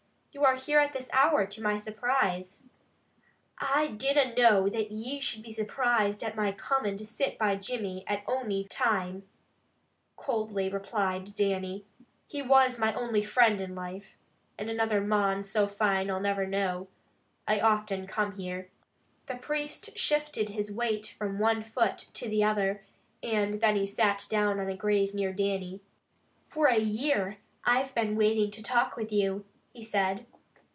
"You are here at this hour to my surprise." "I dinna know that ye should be surprised at my comin' to sit by Jimmy at ony time," coldly replied Dannie. "He was my only friend in life, and another mon so fine I'll never know. I often come here." The priest shifted his weight from one foot to the other, and then he sat down on a grave near Dannie. "For a year I have been waiting to talk with you," he said.